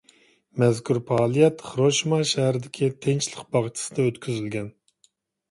مەزكۇر پائالىيەت خىروشىما شەھىرىدىكى تىنچلىق باغچىسىدا ئۆتكۈزۈلگەن.